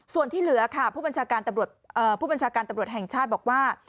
ส่วนที่เหลือค่ะผู้บัญชาการตำรวจแห่งชาติบอกว่า